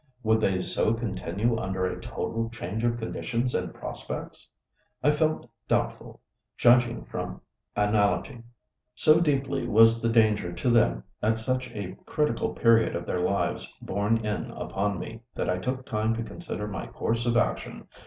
Would they so continue under a total change of conditions and prospects? I felt doubtful, judging from analogy. So deeply was the danger to them at such a critical period of their lives borne in upon me, that I took time to consider my course of action.